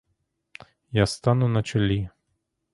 Я стану на чолі.